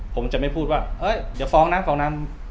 ผมจะไม่พูดว่าเดี๋ยวฟ้องนะฟ้องนำ